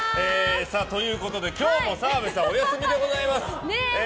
ということで今日も澤部さんはお休みでございます。